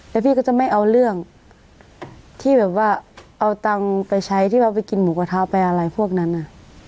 แล้วพี่ก็จะไม่เอาเรื่องที่แบบว่าเอาตังค์ไปใช้ที่ว่าไปกินหมูกระทะไปอะไรพวกนั้น